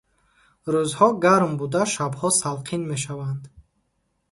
Рӯзҳо гарм буда шабҳо салқин мешаванд.